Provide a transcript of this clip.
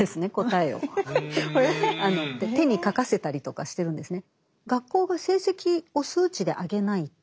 え⁉手に書かせたりとかしてるんですね。